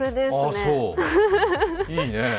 いいね。